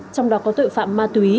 trong đó có tội phạm ma túy